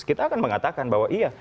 kita akan mengatakan bahwa iya